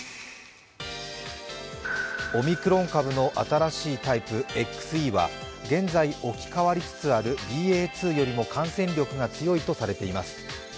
オミクロン株の新しいタイプ、ＸＥは現在、置き換わりつつあるＢＡ．２よりも感染力が強いとされています。